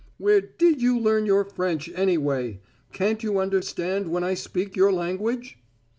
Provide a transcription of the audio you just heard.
Where did you learn your French, anyway? Can't you understand when I speak your language?"